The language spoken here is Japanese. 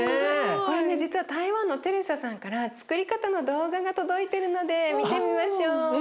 これね実は台湾のテレサさんからつくり方の動画が届いてるので見てみましょう。